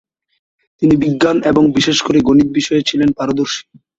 তিনি বিজ্ঞান এবং বিশেষ করে গণিত বিষয়ে ছিলেন পারদর্শী।